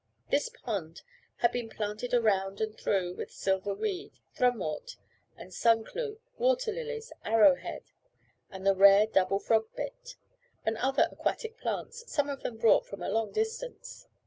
This pond had been planted around and through with silver weed, thrumwort and sun clew, water lilies, arrow head, and the rare double frog bit, and other aquatic plants, some of them brought from a long distance.